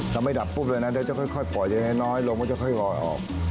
ถ้าไม่ดับปุ๊บเลยนะเดี๋ยวจะค่อยปล่อยอย่างน้อยลงก็จะค่อยลอยออก